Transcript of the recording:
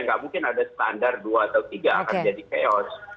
nggak mungkin ada standar dua atau tiga akan jadi chaos